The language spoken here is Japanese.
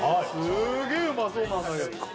すげえうまそうなのよ